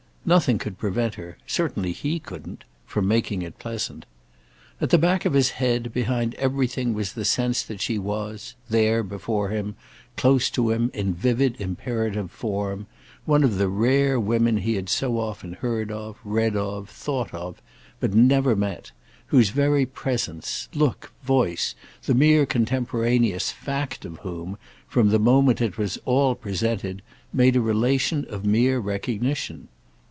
Nothing could prevent her—certainly he couldn't—from making it pleasant. At the back of his head, behind everything, was the sense that she was—there, before him, close to him, in vivid imperative form—one of the rare women he had so often heard of, read of, thought of, but never met, whose very presence, look, voice, the mere contemporaneous fact of whom, from the moment it was at all presented, made a relation of mere recognition.